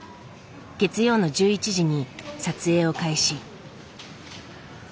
月曜の１１時に撮影を開始。